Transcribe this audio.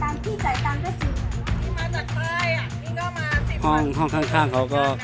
คนรอบข้างเขาก็มาเที่ยวไงคะ